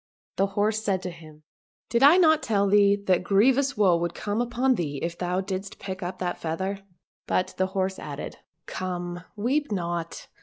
And the horse said to him, " Did I not tell thee that grievous woe would come upon thee if thou didst pick up that feather }" But the horse added, " Come ! weep not